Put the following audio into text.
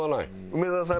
梅沢さん